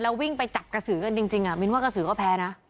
แล้ววิ่งไปจับกะสือกันจริงอ่ะวิ่งว่ากะสือก็แพ้นะ